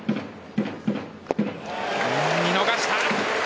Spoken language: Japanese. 見逃した。